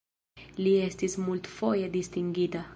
Li estis multfoje distingita.